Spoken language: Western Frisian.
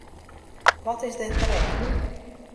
Wat is der te rêden?